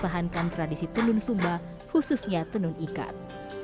mempertahankan tradisi tenun sumba khususnya tenun ikat